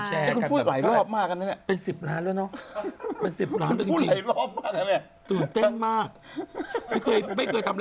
เชื่อเขาบอกว่า